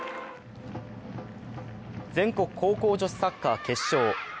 全国高校女子サッカー決勝。